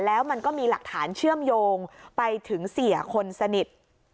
แล้วมันก็มีหลักฐานเชื่อมโยงไปถึงเสียคนสนิท